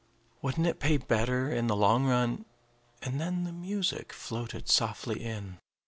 Wouldn't it pay better, in the long run and then the music floated softly in.